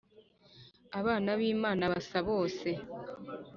abana bimana basa bose